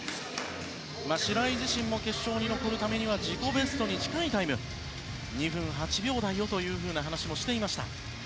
白井自身も決勝に残るためには自己ベストに近いタイム２分８秒台をという話をしていました。